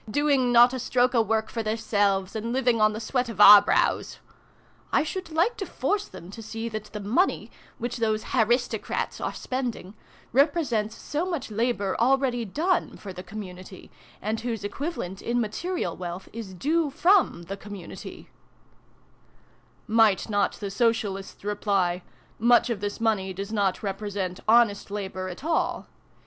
Doing not a stroke o' work for theirselves, and living on the sweat of our brows !' I should like to force them to see that the money, which those ' haristo crats' are spending, represents so much labour already done for the community, and whose equivalent, in material wealth, is due from the community" " Might not the Socialists reply ' Much of this money does not represent honest labour at all.